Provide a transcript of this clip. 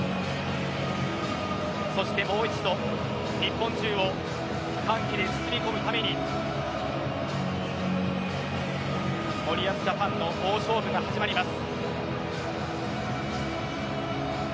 そしてもう一度日本中を歓喜で包み込むために森保ジャパンの大勝負が始まります。